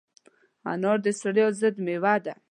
انار د ستړیا ضد مېوه ده.